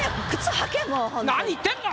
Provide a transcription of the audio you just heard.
何言ってんだ！